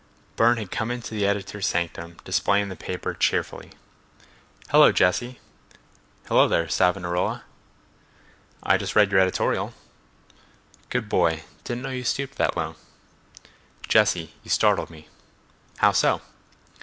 Burne had come into the editor's sanctum displaying the paper cheerfully. "Hello, Jesse." "Hello there, Savonarola." "I just read your editorial." "Good boy—didn't know you stooped that low." "Jesse, you startled me." "How so?"